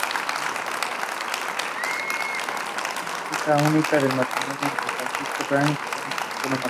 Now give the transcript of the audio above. Hija unica del matrimonio entre Francisco Prats Ramírez y Consuelo Martínez.